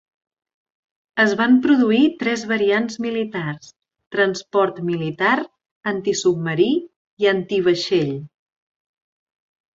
Es van produir tres variants militars: transport militar, antisubmarí i antivaixell.